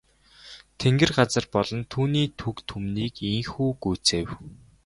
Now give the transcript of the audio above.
Тэнгэр газар болон түүний түг түмнийг ийнхүү гүйцээв.